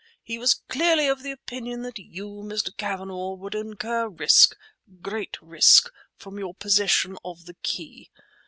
He was clearly of opinion that you, Mr. Cavanagh, would incur risk—great risk—from your possession of the key.